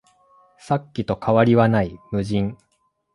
さっきと変わりはない、無人